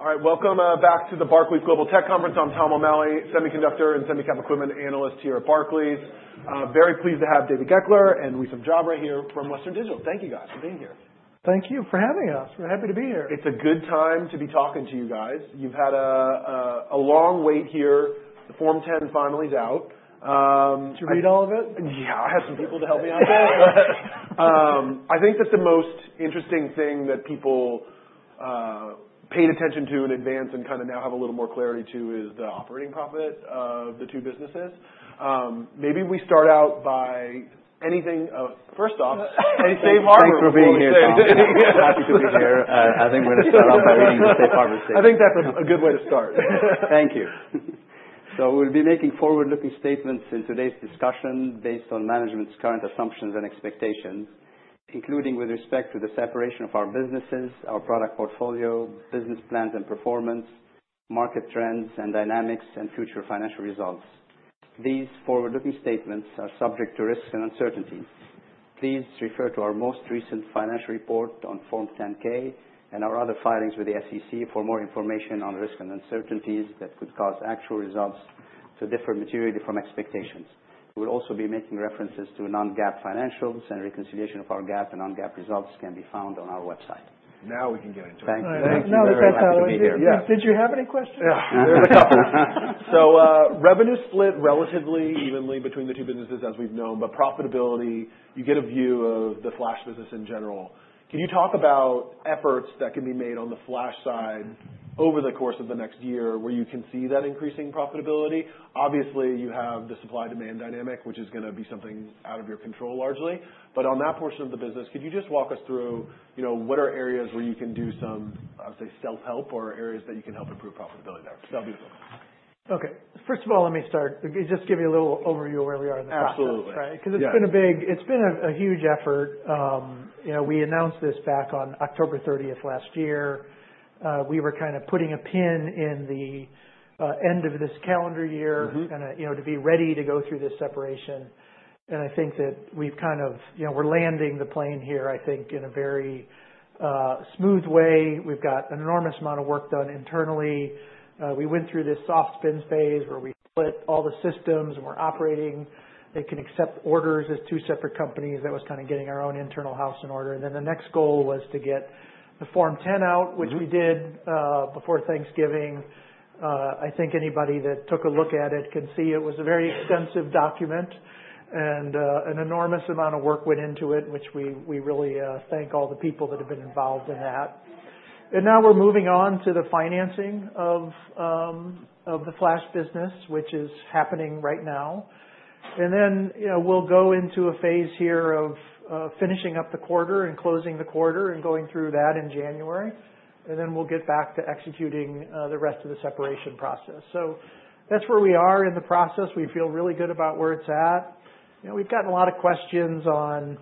All right, welcome back to the Barclays Global Tech Conference. I'm Tom O'Malley, semiconductors and semicap equipment analyst here at Barclays. Very pleased to have David Goeckeler and Wissam Jabre here from Western Digital. Thank you, guys, for being here. Thank you for having us. We're happy to be here. It's a good time to be talking to you guys. You've had a long wait here. The Form 10-K finally is out. Did you read all of it? Yeah, I had some people to help me out there. I think that the most interesting thing that people paid attention to in advance and kind of now have a little more clarity to is the operating profit of the two businesses. Maybe we start out by anything first off, hey, Safe Harbor. Thanks for being here, Sir. Happy to be here. I think we're going to start off by reading the Safe Harbor statement. I think that's a good way to start. Thank you. So we'll be making forward-looking statements in today's discussion based on management's current assumptions and expectations, including with respect to the separation of our businesses, our product portfolio, business plans and performance, market trends and dynamics, and future financial results. These forward-looking statements are subject to risks and uncertainties. Please refer to our most recent financial report on Form 10-K and our other filings with the SEC for more information on risks and uncertainties that could cause actual results to differ materially from expectations. We'll also be making references to non-GAAP financials, and reconciliation of our GAAP and non-GAAP results can be found on our website. Now we can get into it. Thank you. Thank you. Now that we're here. We'll be here. Did you have any questions? There's a couple. So revenue split relatively evenly between the two businesses as we've known, but profitability, you get a view of the flash business in general. Can you talk about efforts that can be made on the flash side over the course of the next year where you can see that increasing profitability? Obviously, you have the supply-demand dynamic, which is going to be something out of your control largely. But on that portion of the business, could you just walk us through what are areas where you can do some, I would say, self-help or areas that you can help improve profitability there? That'll be helpful. Okay. First of all, let me start. Just give you a little overview of where we are in the flash side. Absolutely. Because it's been a huge effort. We announced this back on October 30th last year. We were kind of putting a pin in the end of this calendar year to be ready to go through this separation, and I think that we've kind of landed the plane here, I think, in a very smooth way. We've got an enormous amount of work done internally. We went through this soft spin phase where we split all the systems and we're operating. They can accept orders as two separate companies. That was kind of getting our own internal house in order, and then the next goal was to get the Form 10-K out, which we did before Thanksgiving. I think anybody that took a look at it can see it was a very extensive document and an enormous amount of work went into it, which we really thank all the people that have been involved in that, and now we're moving on to the financing of the flash business, which is happening right now, and then we'll go into a phase here of finishing up the quarter and closing the quarter and going through that in January, and then we'll get back to executing the rest of the separation process, so that's where we are in the process. We feel really good about where it's at. We've gotten a lot of questions on,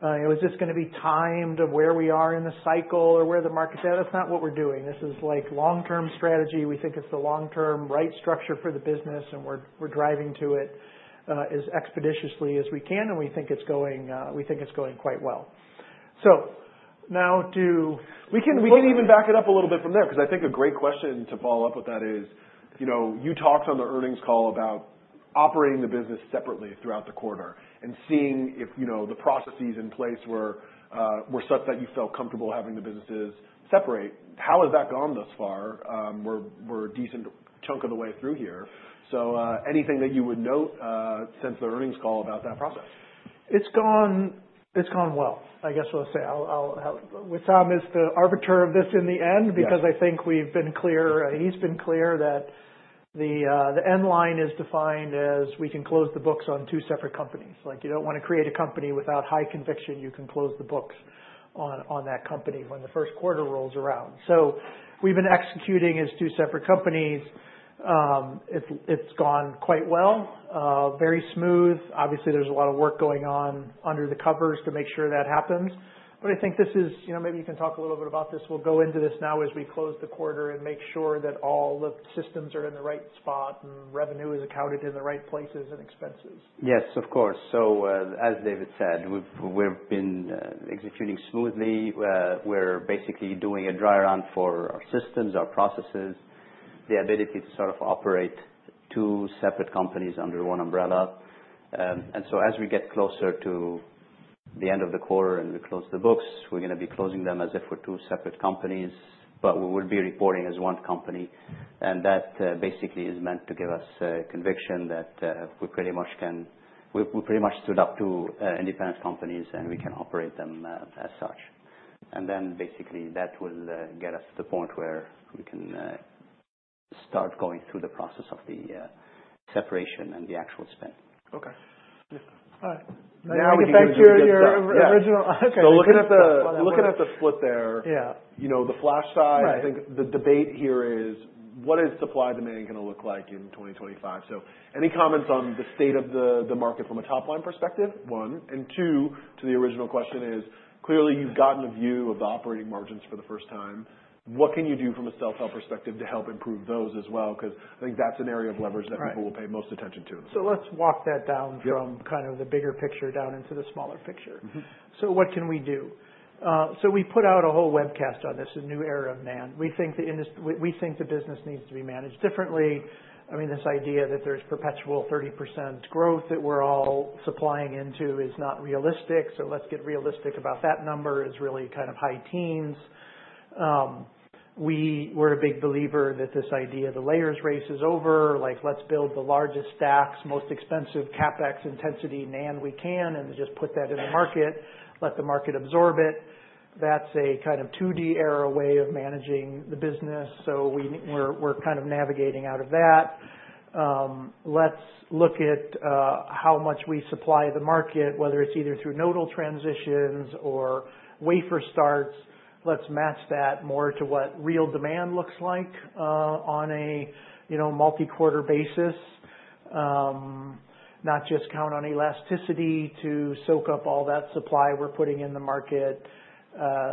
is this going to be timed to where we are in the cycle or where the market's at? That's not what we're doing. This is like long-term strategy. We think it's the long-term right structure for the business, and we're driving to it as expeditiously as we can, and we think it's going quite well. So now to. We can even back it up a little bit from there because I think a great question to follow up with that is you talked on the earnings call about operating the business separately throughout the quarter and seeing if the processes in place were such that you felt comfortable having the businesses separate. How has that gone thus far? We're a decent chunk of the way through here. So anything that you would note since the earnings call about that process? It's gone well. I guess we'll say with Tom is the arbiter of this in the end because I think we've been clear. He's been clear that the end line is defined as we can close the books on two separate companies. You don't want to create a company without high conviction. You can close the books on that company when the first quarter rolls around. So we've been executing as two separate companies. It's gone quite well, very smooth. Obviously, there's a lot of work going on under the covers to make sure that happens. But I think this is maybe you can talk a little bit about this. We'll go into this now as we close the quarter and make sure that all the systems are in the right spot and revenue is accounted in the right places and expenses. Yes, of course. So as David said, we've been executing smoothly. We're basically doing a dry run for our systems, our processes, the ability to sort of operate two separate companies under one umbrella. And so as we get closer to the end of the quarter and we close the books, we're going to be closing them as if we're two separate companies, but we will be reporting as one company. And that basically is meant to give us conviction that we pretty much can stand up two independent companies and we can operate them as such. And then basically that will get us to the point where we can start going through the process of the separation and the actual spin. Okay. All right. Thank you. Now we can start. Thanks for your original. Okay. So looking at the split there, the flash side, I think the debate here is what is supply-demand going to look like in 2025? So any comments on the state of the market from a top-line perspective, one? And two, to the original question is clearly you've gotten a view of the operating margins for the first time. What can you do from a self-help perspective to help improve those as well? Because I think that's an area of leverage that people will pay most attention to. So let's walk that down from kind of the bigger picture down into the smaller picture. So what can we do? So we put out a whole webcast on this, a New Era of NAND. We think the business needs to be managed differently. I mean, this idea that there's perpetual 30% growth that we're all supplying into is not realistic. So let's get realistic about that number is really kind of high teens. We're a big believer that this idea of the layers race is over. Like let's build the largest stacks, most expensive CapEx intensity NAND we can and just put that in the market, let the market absorb it. That's a kind of 2D era way of managing the business. So we're kind of navigating out of that. Let's look at how much we supply the market, whether it's either through nodal transitions or wafer starts. Let's match that more to what real demand looks like on a multi-quarter basis, not just count on elasticity to soak up all that supply we're putting in the market.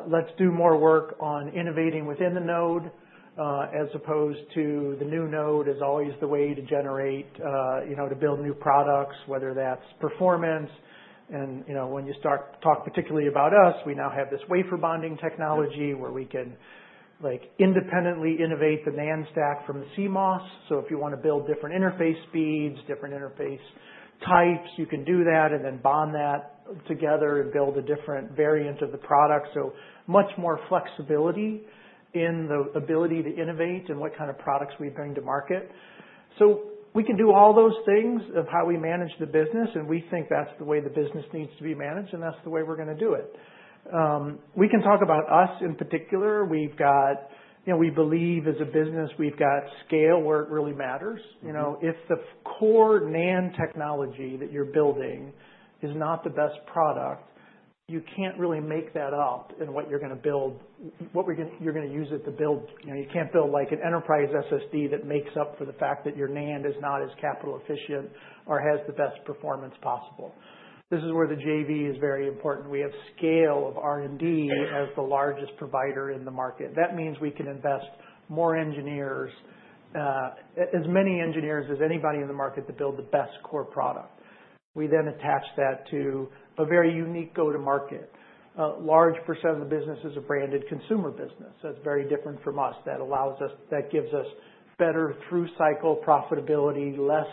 Let's do more work on innovating within the node as opposed to the new node is always the way to generate, to build new products, whether that's performance, and when you start to talk particularly about us, we now have this wafer bonding technology where we can independently innovate the NAND stack from the CMOS, so if you want to build different interface speeds, different interface types, you can do that and then bond that together and build a different variant of the product, so much more flexibility in the ability to innovate and what kind of products we bring to market, so we can do all those things of how we manage the business. We think that's the way the business needs to be managed and that's the way we're going to do it. We can talk about us in particular. We believe as a business, we've got scale where it really matters. If the core NAND technology that you're building is not the best product, you can't really make that up in what you're going to build, what you're going to use it to build. You can't build like an enterprise SSD that makes up for the fact that your NAND is not as capital efficient or has the best performance possible. This is where the JV is very important. We have scale of R&D as the largest provider in the market. That means we can invest more engineers, as many engineers as anybody in the market to build the best core product. We then attach that to a very unique go-to-market. A large percent of the business is a branded consumer business. That's very different from us. That gives us better through-cycle profitability, less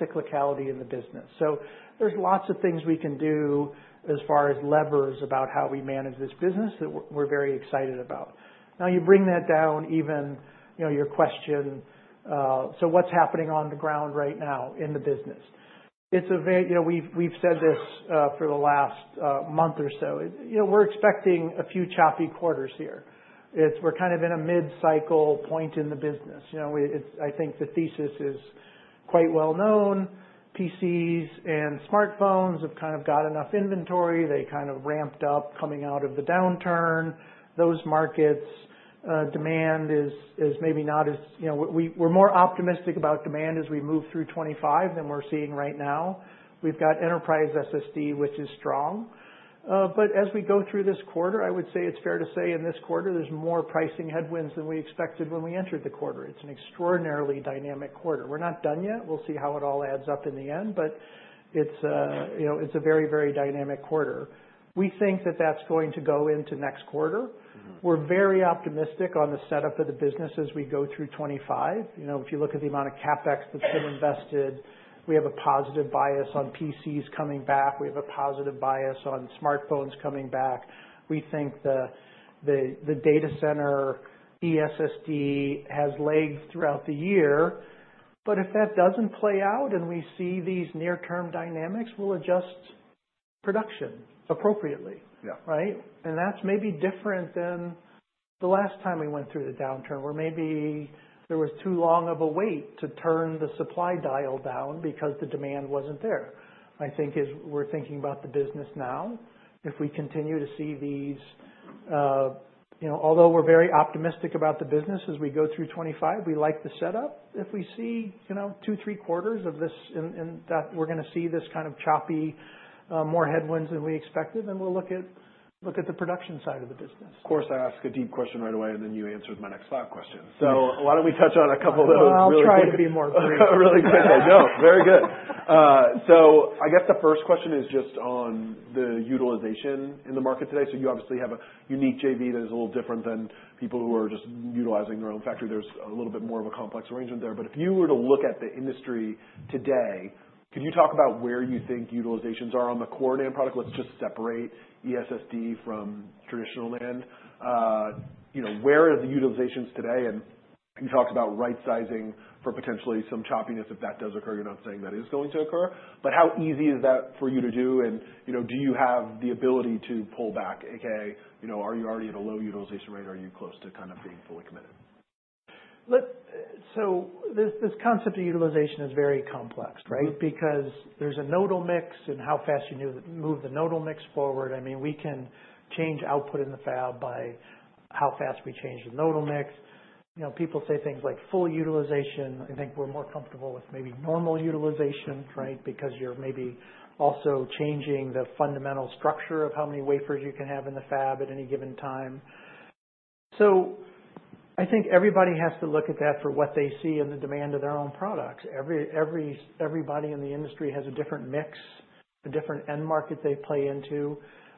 cyclicality in the business. So there's lots of things we can do as far as levers about how we manage this business that we're very excited about. Now, to bring that down to your question. So what's happening on the ground right now in the business? We've said this for the last month or so. We're expecting a few choppy quarters here. We're kind of in a mid-cycle point in the business. I think the thesis is quite well known. PCs and smartphones have kind of got enough inventory. They kind of ramped up coming out of the downturn. Those markets, demand is maybe not as we're more optimistic about demand as we move through 2025 than we're seeing right now. We've got enterprise SSD, which is strong. But as we go through this quarter, I would say it's fair to say in this quarter, there's more pricing headwinds than we expected when we entered the quarter. It's an extraordinarily dynamic quarter. We're not done yet. We'll see how it all adds up in the end, but it's a very, very dynamic quarter. We think that that's going to go into next quarter. We're very optimistic on the setup of the business as we go through 2025. If you look at the amount of CapEx that's been invested, we have a positive bias on PCs coming back. We have a positive bias on smartphones coming back. We think the data center eSSD has legs throughout the year. But if that doesn't play out and we see these near-term dynamics, we'll adjust production appropriately. Right? That's maybe different than the last time we went through the downturn where maybe there was too long of a wait to turn the supply dial down because the demand wasn't there. I think as we're thinking about the business now, if we continue to see these, although we're very optimistic about the business as we go through 2025, we like the setup. If we see two, three quarters of this and that we're going to see this kind of choppy, more headwinds than we expected, then we'll look at the production side of the business. Of course, I ask a deep question right away and then you answer with my next thought question. So why don't we touch on a couple of those real quick? I'll try to be more brief. Really quickly. No, very good. So I guess the first question is just on the utilization in the market today. So you obviously have a unique JV that is a little different than people who are just utilizing their own factory. There's a little bit more of a complex arrangement there. But if you were to look at the industry today, could you talk about where you think utilizations are on the core NAND product? Let's just separate eSSD from traditional NAND. Where are the utilizations today? And you talked about right-sizing for potentially some choppiness if that does occur. You're not saying that is going to occur. But how easy is that for you to do? And do you have the ability to pull back? AKA, are you already at a low utilization rate? Are you close to kind of being fully committed? So this concept of utilization is very complex, right? Because there's a nodal mix and how fast you move the nodal mix forward. I mean, we can change output in the fab by how fast we change the nodal mix. People say things like full utilization. I think we're more comfortable with maybe normal utilization, right? Because you're maybe also changing the fundamental structure of how many wafers you can have in the fab at any given time. So I think everybody has to look at that for what they see in the demand of their own products. Everybody in the industry has a different mix, a different end market they play into.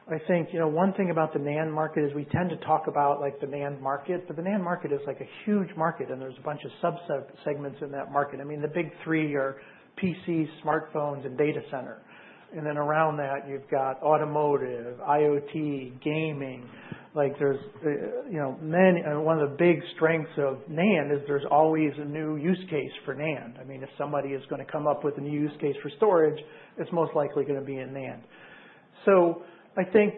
I think one thing about the NAND market is we tend to talk about the NAND market, but the NAND market is like a huge market and there's a bunch of subsegments in that market. I mean, the big three are PCs, smartphones, and data center. And then around that, you've got automotive, IoT, gaming. One of the big strengths of NAND is there's always a new use case for NAND. I mean, if somebody is going to come up with a new use case for storage, it's most likely going to be in NAND. So I think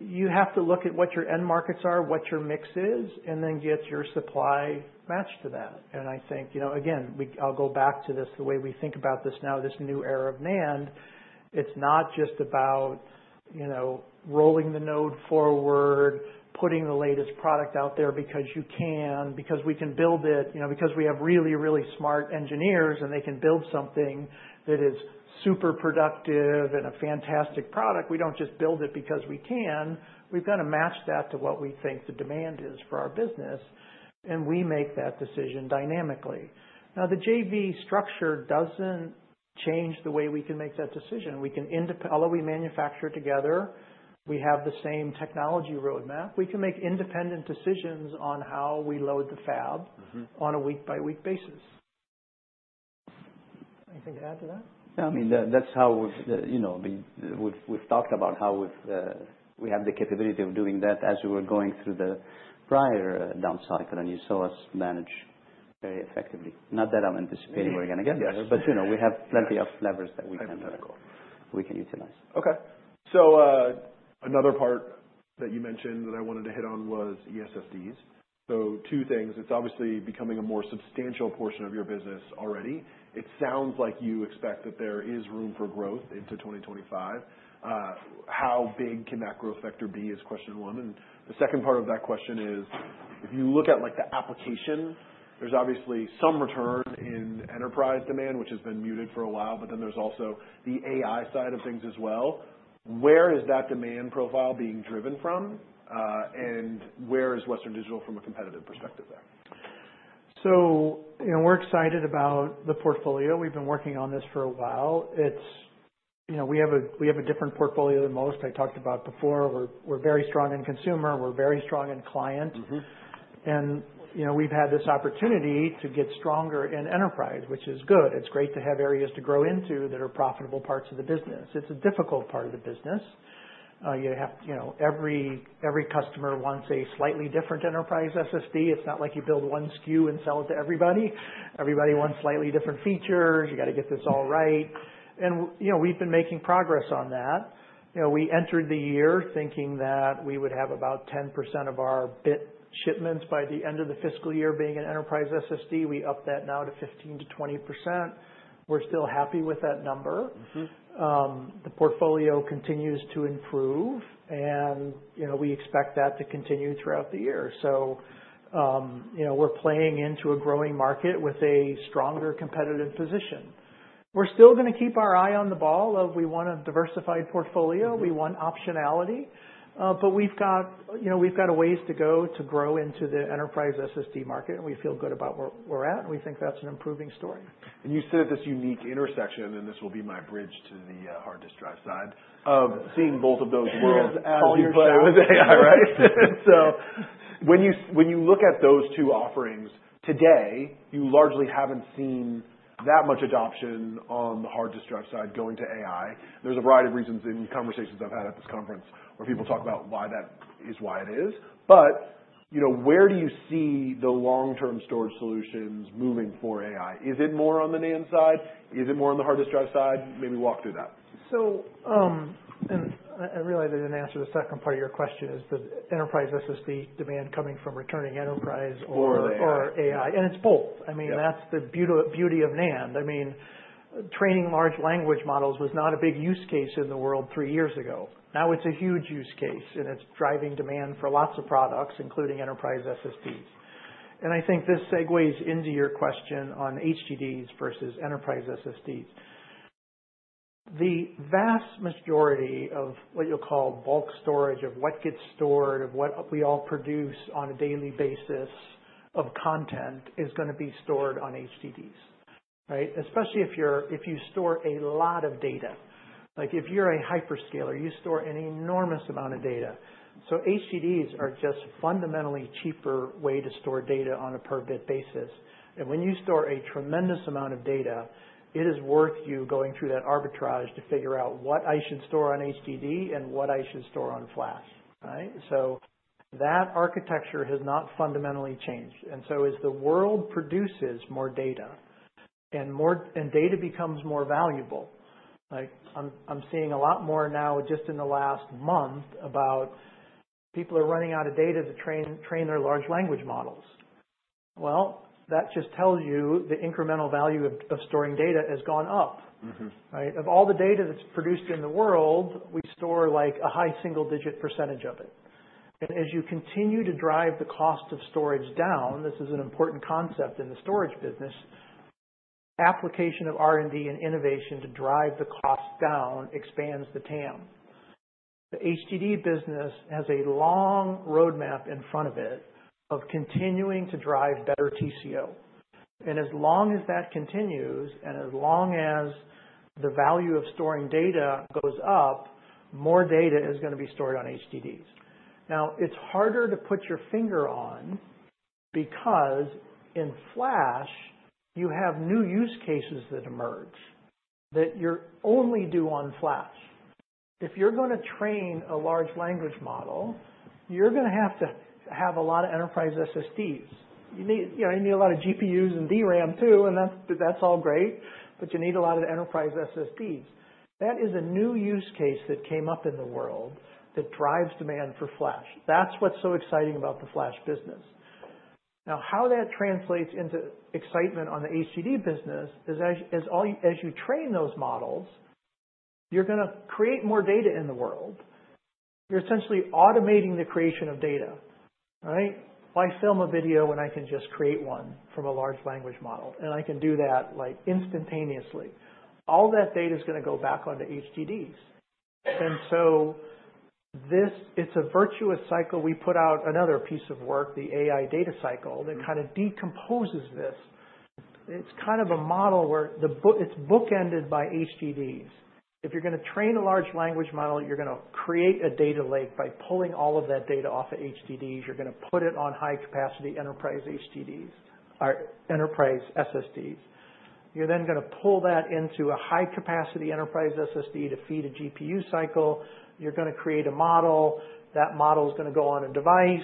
you have to look at what your end markets are, what your mix is, and then get your supply matched to that. And I think, again, I'll go back to this, the way we think about this now, this new era of NAND, it's not just about rolling the node forward, putting the latest product out there because you can, because we can build it, because we have really, really smart engineers and they can build something that is super productive and a fantastic product. We don't just build it because we can. We've got to match that to what we think the demand is for our business and we make that decision dynamically. Now, the JV structure doesn't change the way we can make that decision. Although we manufacture together, we have the same technology roadmap. We can make independent decisions on how we load the fab on a week-by-week basis. Anything to add to that? Yeah. I mean, that's how we've talked about how we have the capability of doing that as we were going through the prior down cycle and you saw us manage very effectively. Not that I'm anticipating we're going to get there, but we have plenty of levers that we can utilize. Okay, so another part that you mentioned that I wanted to hit on was eSSDs, so two things. It's obviously becoming a more substantial portion of your business already. It sounds like you expect that there is room for growth into 2025. How big can that growth factor be is question one, and the second part of that question is if you look at the application, there's obviously some return in enterprise demand, which has been muted for a while, but then there's also the AI side of things as well. Where is that demand profile being driven from, and where is Western Digital from a competitive perspective there? So we're excited about the portfolio. We've been working on this for a while. We have a different portfolio than most I talked about before. We're very strong in consumer. We're very strong in client. And we've had this opportunity to get stronger in enterprise, which is good. It's great to have areas to grow into that are profitable parts of the business. It's a difficult part of the business. Every customer wants a slightly different enterprise SSD. It's not like you build one SKU and sell it to everybody. Everybody wants slightly different features. You got to get this all right. And we've been making progress on that. We entered the year thinking that we would have about 10% of our bit shipments by the end of the fiscal year being an enterprise SSD. We upped that now to 15%-20%. We're still happy with that number. The portfolio continues to improve and we expect that to continue throughout the year. So we're playing into a growing market with a stronger competitive position. We're still going to keep our eye on the ball of we want a diversified portfolio. We want optionality. But we've got a ways to go to grow into the enterprise SSD market. We feel good about where we're at. We think that's an improving story. And you said this unique intersection and this will be my bridge to the HDD side of seeing both of those worlds as you play with AI, right? So when you look at those two offerings today, you largely haven't seen that much adoption on the HDD side going to AI. There's a variety of reasons in conversations I've had at this conference where people talk about why that is, why it is. But where do you see the long-term storage solutions moving for AI? Is it more on the NAND side? Is it more on the HDD side? Maybe walk through that. I realize I didn't answer the second part of your question: is the enterprise SSD demand coming from returning enterprise or AI? And it's both. I mean, that's the beauty of NAND. I mean, training large language models was not a big use case in the world three years ago. Now it's a huge use case, and it's driving demand for lots of products, including enterprise SSDs. And I think this segues into your question on HDDs versus enterprise SSDs. The vast majority of what you'll call bulk storage, of what gets stored, of what we all produce on a daily basis of content, is going to be stored on HDDs, right? Especially if you store a lot of data. If you're a hyperscaler, you store an enormous amount of data. So HDDs are just a fundamentally cheaper way to store data on a per-bit basis. And when you store a tremendous amount of data, it is worth you going through that arbitrage to figure out what I should store on HDD and what I should store on flash, right? So that architecture has not fundamentally changed. And so as the world produces more data and data becomes more valuable, I'm seeing a lot more now just in the last month about people are running out of data to train their large language models. Well, that just tells you the incremental value of storing data has gone up, right? Of all the data that's produced in the world, we store a high single-digit % of it. And as you continue to drive the cost of storage down, this is an important concept in the storage business, application of R&D and innovation to drive the cost down expands the TAM. The HDD business has a long roadmap in front of it of continuing to drive better TCO, and as long as that continues and as long as the value of storing data goes up, more data is going to be stored on HDDs. Now, it's harder to put your finger on because in flash, you have new use cases that emerge that are only doable on flash. If you're going to train a large language model, you're going to have to have a lot of enterprise SSDs. You need a lot of GPUs and DRAM too, and that's all great, but you need a lot of enterprise SSDs. That is a new use case that came up in the world that drives demand for flash. That's what's so exciting about the flash business. Now, how that translates into excitement on the HDD business is as you train those models, you're going to create more data in the world. You're essentially automating the creation of data, right? I film a video and I can just create one from a large language model. And I can do that instantaneously. All that data is going to go back onto HDDs. And so it's a virtuous cycle. We put out another piece of work, the AI Data Cycle that kind of decomposes this. It's kind of a model where it's bookended by HDDs. If you're going to train a large language model, you're going to create a data lake by pulling all of that data off of HDDs. You're going to put it on high-capacity enterprise HDDs or enterprise SSDs. You're then going to pull that into a high-capacity enterprise SSD to feed a GPU cycle. You're going to create a model. That model is going to go on a device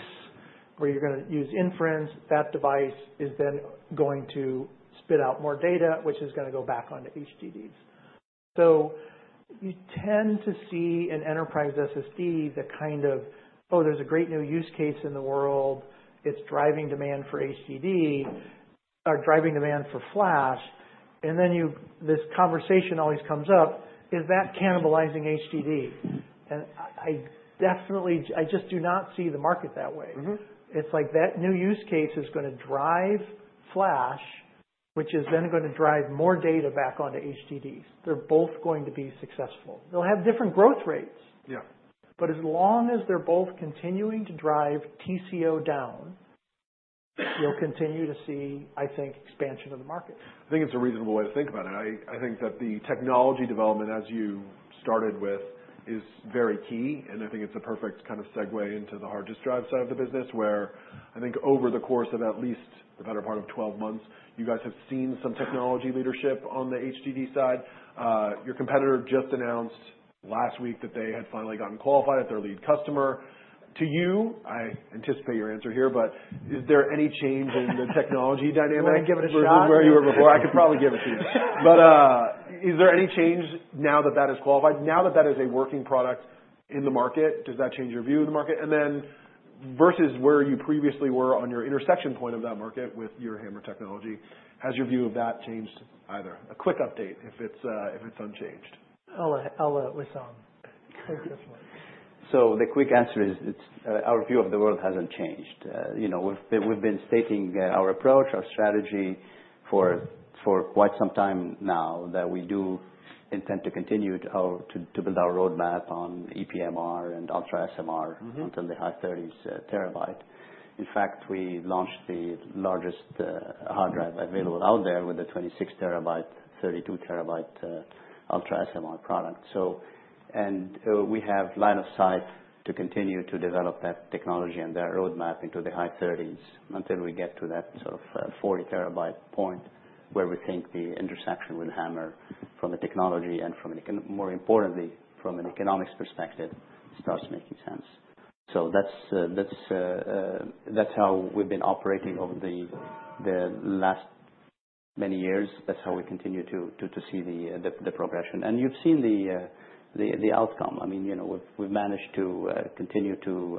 where you're going to use inference. That device is then going to spit out more data, which is going to go back onto HDDs. So you tend to see in enterprise SSDs that kind of, oh, there's a great new use case in the world. It's driving demand for HDD or driving demand for flash. And then this conversation always comes up, is that cannibalizing HDD? And I just do not see the market that way. It's like that new use case is going to drive flash, which is then going to drive more data back onto HDDs. They're both going to be successful. They'll have different growth rates. But as long as they're both continuing to drive TCO down, you'll continue to see, I think, expansion of the market. I think it's a reasonable way to think about it. I think that the technology development, as you started with, is very key. And I think it's a perfect kind of segue into the HDD side of the business where I think over the course of at least the better part of 12 months, you guys have seen some technology leadership on the HDD side. Your competitor just announced last week that they had finally gotten qualified at their lead customer. To you, I anticipate your answer here, but is there any change in the technology dynamic? I'm going to give it a try. Where you were before, I could probably give it to you. But is there any change now that that is qualified? Now that that is a working product in the market, does that change your view in the market? And then versus where you previously were on your intersection point of that market with your HAMR technology, has your view of that changed either? A quick update if it's unchanged. I'll let Wissam take this one. So the quick answer is our view of the world hasn't changed. We've been stating our approach, our strategy for quite some time now that we do intend to continue to build our roadmap on ePMR and UltraSMR until the high 30s TB. In fact, we launched the largest hard drive available out there with a 26 TB, 32 TB UltraSMR product. And we have line of sight to continue to develop that technology and that roadmap into the high 30s until we get to that sort of 40 TB point where we think the intersection with HAMR from a technology and from a more importantly, from an economics perspective starts making sense. So that's how we've been operating over the last many years. That's how we continue to see the progression. And you've seen the outcome. I mean, we've managed to continue to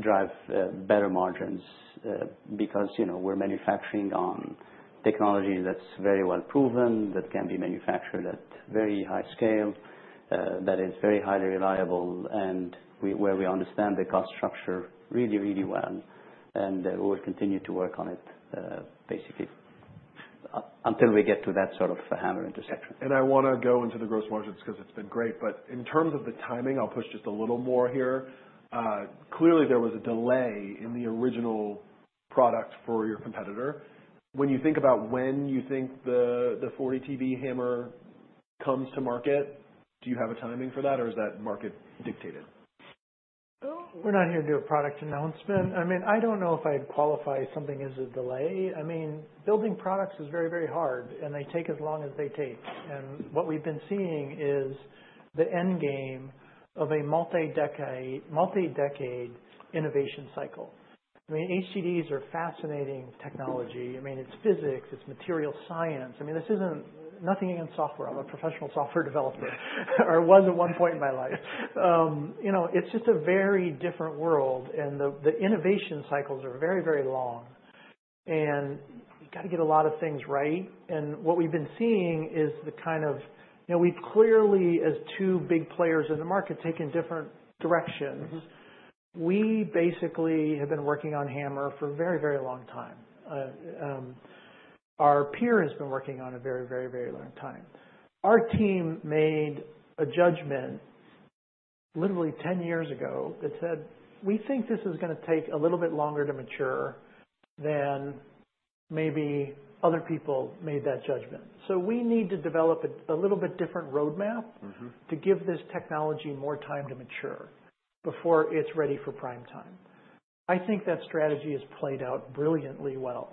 drive better margins because we're manufacturing on technology that's very well proven, that can be manufactured at very high scale, that is very highly reliable, and where we understand the cost structure really, really well, and we'll continue to work on it basically until we get to that sort of HAMR intersection. I want to go into the gross margins because it's been great. But in terms of the timing, I'll push just a little more here. Clearly, there was a delay in the original product for your competitor. When you think about the 40 TB HAMR comes to market, do you have a timing for that or is that market dictated? We're not here to do a product announcement. I mean, I don't know if I'd qualify something as a delay. I mean, building products is very, very hard and they take as long as they take. And what we've been seeing is the end game of a multi-decade innovation cycle. I mean, HDDs are fascinating technology. I mean, it's physics, it's material science. I mean, this isn't nothing against software. I'm a professional software developer or was at one point in my life. It's just a very different world and the innovation cycles are very, very long. And you got to get a lot of things right. And what we've been seeing is we've clearly, as two big players in the market, taken different directions. We basically have been working on HAMR for a very, very long time. Our peer has been working on it a very, very, very long time. Our team made a judgment literally 10 years ago that said, "We think this is going to take a little bit longer to mature than maybe other people made that judgment." So we need to develop a little bit different roadmap to give this technology more time to mature before it's ready for prime time. I think that strategy has played out brilliantly well.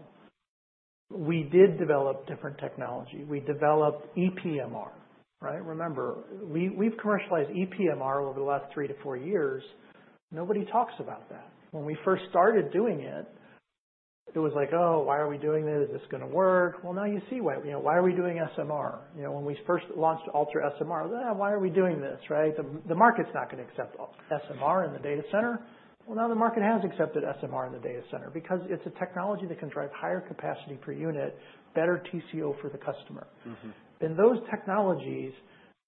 We did develop different technology. We developed ePMR, right? Remember, we've commercialized ePMR over the last three to four years. Nobody talks about that. When we first started doing it, it was like, "Oh, why are we doing this? Is this going to work?" Well, now you see why. Why are we doing SMR? When we first launched UltraSMR, why are we doing this, right? The market's not going to accept SMR in the data center. Well, now the market has accepted SMR in the data center because it's a technology that can drive higher capacity per unit, better TCO for the customer. And those technologies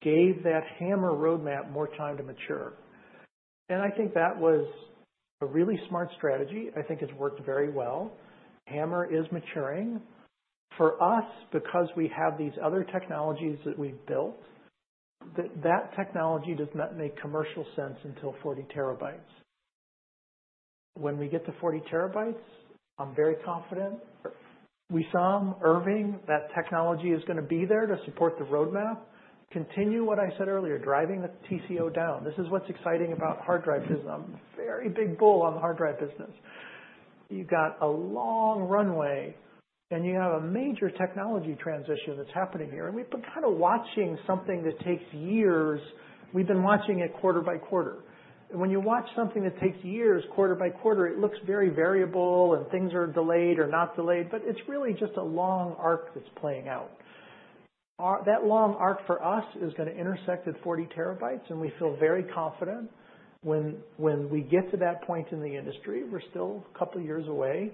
gave that HAMR roadmap more time to mature. And I think that was a really smart strategy. I think it's worked very well. HAMR is maturing. For us, because we have these other technologies that we've built, that technology does not make commercial sense until 40 TB. When we get to 40 TB, I'm very confident. Wissam, Irving, that technology is going to be there to support the roadmap. Continue what I said earlier, driving the TCO down. This is what's exciting about hard drive business. I'm a very big bull on the hard drive business. You've got a long runway and you have a major technology transition that's happening here. And we've been kind of watching something that takes years. We've been watching it quarter by quarter. And when you watch something that takes years quarter by quarter, it looks very variable and things are delayed or not delayed, but it's really just a long arc that's playing out. That long arc for us is going to intersect at 40 TB and we feel very confident when we get to that point in the industry. We're still a couple of years away.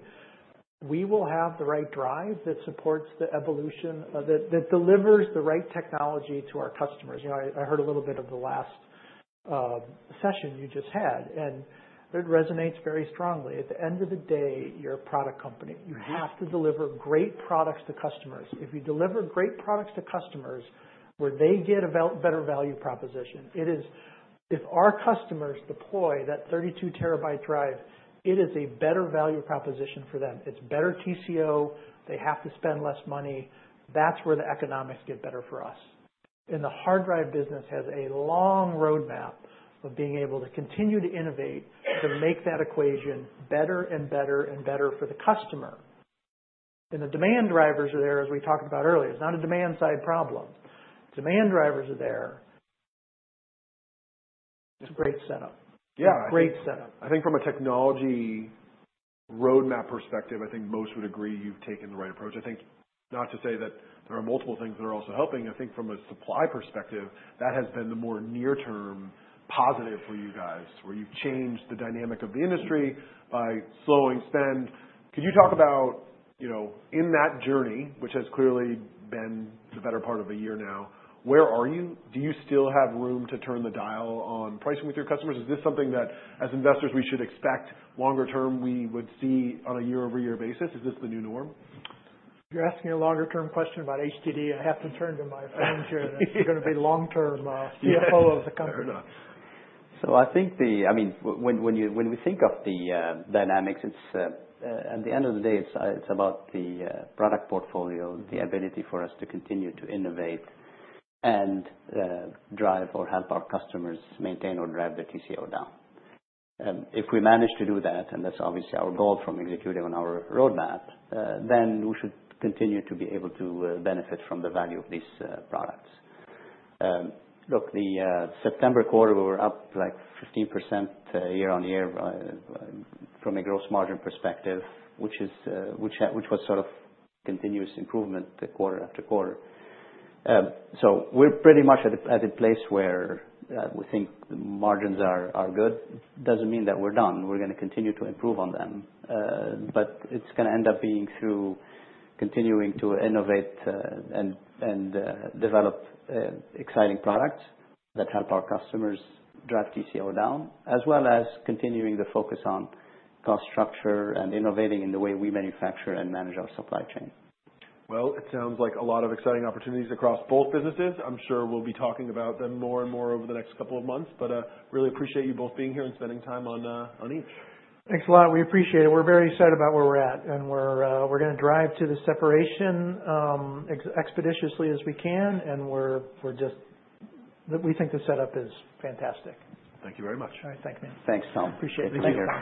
We will have the right drive that supports the evolution that delivers the right technology to our customers. I heard a little bit of the last session you just had, and it resonates very strongly. At the end of the day, you're a product company. You have to deliver great products to customers. If you deliver great products to customers where they get a better value proposition, it is if our customers deploy that 32 TB drive, it is a better value proposition for them. It's better TCO. They have to spend less money. That's where the economics get better for us. And the hard drive business has a long roadmap of being able to continue to innovate to make that equation better and better and better for the customer. And the demand drivers are there, as we talked about earlier. It's not a demand-side problem. Demand drivers are there. It's a great setup. It's a great setup. I think from a technology roadmap perspective, I think most would agree you've taken the right approach. I think not to say that there are multiple things that are also helping. I think from a supply perspective, that has been the more near-term positive for you guys where you've changed the dynamic of the industry by slowing spend. Could you talk about in that journey, which has clearly been the better part of a year now, where are you? Do you still have room to turn the dial on pricing with your customers? Is this something that as investors, we should expect longer term we would see on a year-over-year basis? Is this the new norm? You're asking a longer-term question about HDD. I have to turn to my friends here that are going to be long-term CFO of the company. So I think, I mean, when we think of the dynamics, at the end of the day, it's about the product portfolio, the ability for us to continue to innovate and drive or help our customers maintain or drive their TCO down. If we manage to do that, and that's obviously our goal from executing on our roadmap, then we should continue to be able to benefit from the value of these products. Look, the September quarter, we were up like 15% year-on-year from a gross margin perspective, which was sort of continuous improvement quarter after quarter. So we're pretty much at a place where we think the margins are good. It doesn't mean that we're done. We're going to continue to improve on them. But it's going to end up being through continuing to innovate and develop exciting products that help our customers drive TCO down, as well as continuing the focus on cost structure and innovating in the way we manufacture and manage our supply chain. It sounds like a lot of exciting opportunities across both businesses. I'm sure we'll be talking about them more and more over the next couple of months, but I really appreciate you both being here and spending time on each. Thanks a lot. We appreciate it. We're very excited about where we're at. And we're going to drive to the separation as expeditiously as we can. And we think the setup is fantastic. Thank you very much. All right. Thank you, man. Thanks, Tom. Appreciate it. Thank you.